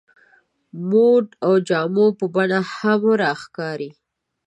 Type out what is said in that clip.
د موډ او جامو په بڼه کې هم راښکاري.